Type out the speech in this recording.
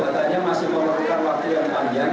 katanya masih memerlukan waktu yang panjang